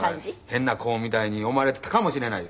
変な子みたいに思われてたかもしれないですね。